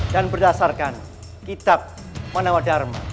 dan berdasarkan kitab manawadharma